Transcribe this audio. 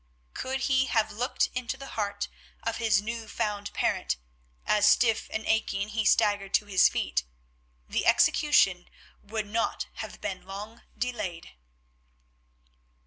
Could he have looked into the heart of his new found parent as stiff and aching he staggered to his feet, the execution would not have been long delayed.